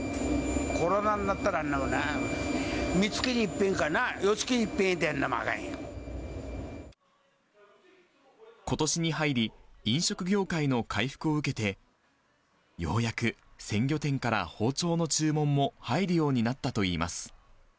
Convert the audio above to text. コロナになったら、みつきにいっぺんかな、ことしに入り、飲食業界の回復を受けて、ようやく鮮魚店から包丁の注文も入るようになったといいます。